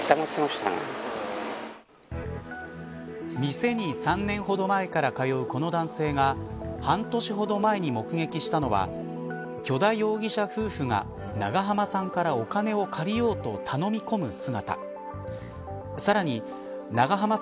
店に３年ほど前から通うこの男性が半年ほど前に目撃したのは許田容疑者夫婦が長濱さんからお金を借りようと頼み込む姿。